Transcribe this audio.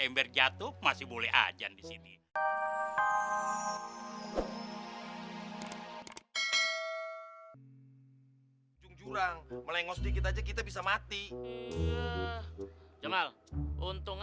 ember jatuh masih boleh ajan disini jurang melengkos dikit aja kita bisa mati jamal untung